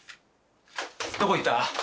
どこ行った？